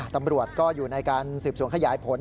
ตำรวจก็อยู่ในการสืบสวนขยายผล